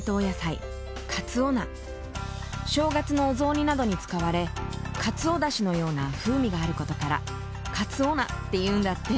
正月のお雑煮などに使われかつおだしのような風味があることからかつお菜っていうんだって。